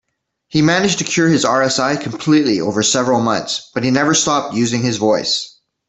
He managed to cure his RSI completely over several months, but he never stopped using his voice.